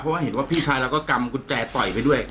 เพราะว่าเห็นว่าพี่ชายเราก็กำกุญแจต่อยไปด้วย